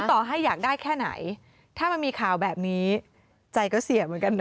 ต่อให้อยากได้แค่ไหนถ้ามันมีข่าวแบบนี้ใจก็เสียเหมือนกันนะ